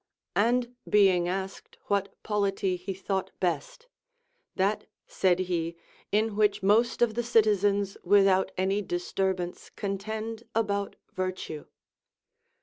And being asked what polity he thought best ; That, said he, in Avhich most of the citizens without any disturbance contend about vir tue.